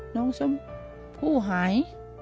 น้องสมผู้หาย